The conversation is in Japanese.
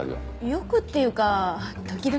よくっていうか時々？